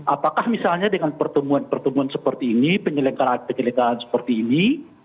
apakah misalnya dengan pertemuan pertemuan seperti ini penyelenggaraan penyelenggaraan seperti ini